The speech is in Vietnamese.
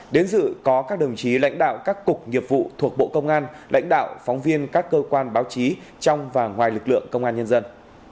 đến dự có các đồng chí lãnh đạo các cục nghiệp vụ thuộc bộ công an lãnh đạo phóng viên các cơ quan báo chí trong và ngoài lực lượng công an nhân dân